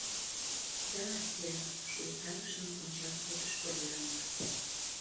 — Да, сэр, — шулыктарышын ончал колтыш Поллианна.